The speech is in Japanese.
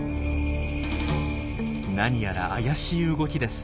なにやら怪しい動きです。